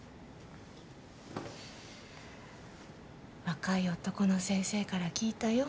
若い男の先生から聞いたよ。